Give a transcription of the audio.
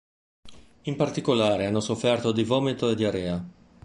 In particolare, hanno sofferto di vomito e diarrea.